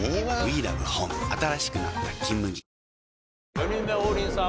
４人目王林さん